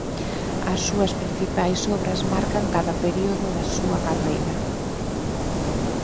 As súas principais obras marcan cada período da súa carreira.